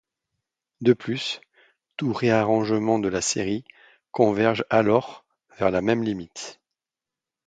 De plus, tout réarrangement de la série converge alors vers la même limite.